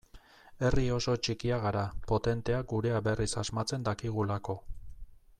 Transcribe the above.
Herri oso txikia gara, potentea gurea berriz asmatzen dakigulako.